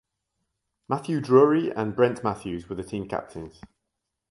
Matthew Drury and Brett Matthews were the team captains.